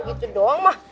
gitu doang mah